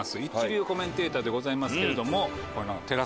一流コメンテーターでございますけれども。